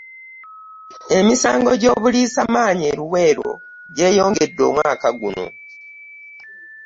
Emisango gy'obuliisa maanyi e Luweero gyeyongedde omwaka guno